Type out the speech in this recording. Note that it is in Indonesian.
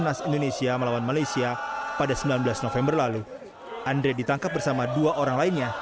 timnas indonesia melawan malaysia pada sembilan belas november lalu andre ditangkap bersama dua orang lainnya